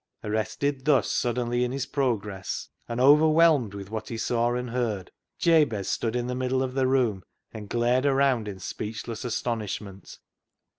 Arrested thus suddenly in his progress, and overwhelmed with what he saw and heard, Jabez stood in the middle of the room and glared around in speechless astonishment.